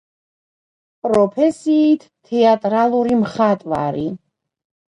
პროფესიით თეატრალური მხატვარი.